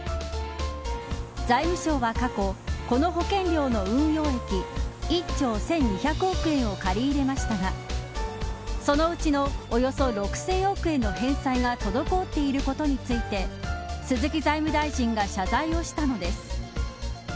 財務省は過去この保険料の運用益１兆１２００億円を借り入れましたがそのうちのおよそ６０００億円の返済が滞っていることについて鈴木財務大臣が謝罪をしたのです。